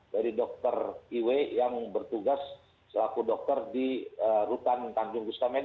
dari dokter iwe yang bertugas selaku dokter di rutan tanjung gustame